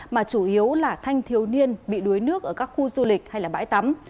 mà chủ yếu là thanh thiếu niên bị đuối nước ở các khu du lịch hay bãi tắm